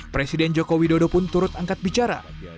presiden jokowi dodo pun turut angkat bicara